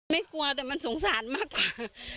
กลัวแต่มันสงสารมากกว่า